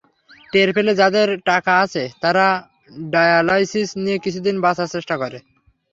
টের পেলে যাদের টাকা আছে, তারা ডায়ালাইসিস নিয়ে কিছুদিন বাঁচার চেষ্টা করে।